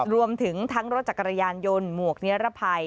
รวมถึงทั้งรถจักรยานยนต์หมวกนิรภัย